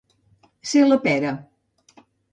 Ser la pera.